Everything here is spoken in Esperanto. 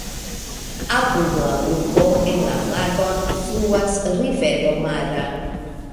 Apud la urbo en la lagon fluas rivero Mara.